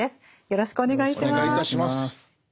よろしくお願いします。